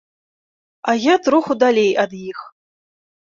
А я троху далей ад іх.